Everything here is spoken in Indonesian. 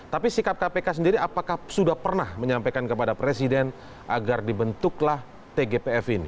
tapi sikap kpk sendiri apakah sudah pernah menyampaikan kepada presiden agar dibentuklah tgpf ini